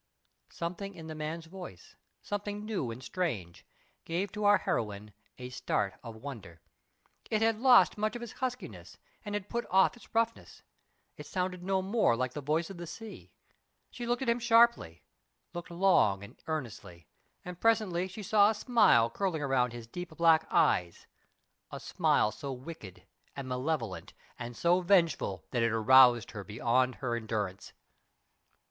Something in the man's voice something new and strange gave to our heroine a start of wonder. It had lost much of its huskiness and had put off its roughness; it sounded no more like the voice of the sea. She looked at him sharply, looked long and earnestly, and presently she saw a smile curling about his deep black eyes, a smile so wicked and malevolent and so vengeful that it aroused her beyond her endurance.